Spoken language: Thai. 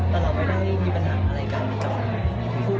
แต่เราไม่ได้มีปัญหาอะไรกัน